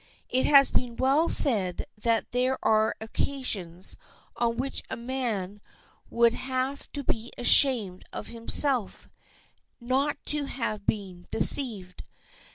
It has been well said that there are occasions on which a man would have been ashamed of himself not to have been deceived.